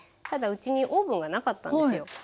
ただうちにオーブンがなかったんですよ。